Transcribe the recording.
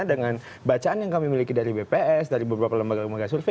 dengan bacaan yang kami miliki dari bps dari beberapa lembaga lembaga survei